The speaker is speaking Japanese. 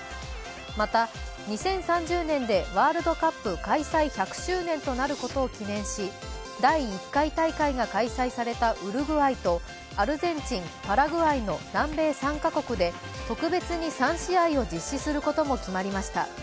また２０３０年でワールドカップ開催１００周年となることを記念し第１回大会が開催されたウルグアイとアルゼンチン、パラグアイの南米３か国で特別に３試合を実施することも決まりました。